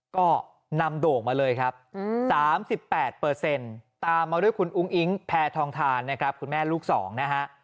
ก็นำโด่งมาเลยครับ๓๘ตามมาด้วยคุณอุ้งอิ๊งแพทองทานนะครับคุณแม่ลูก๒นะฮะ